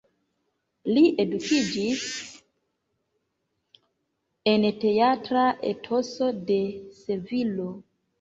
Li edukiĝis en teatra etoso de Sevilo.